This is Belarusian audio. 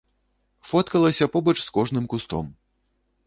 Фоткалася побач з кожным кустом.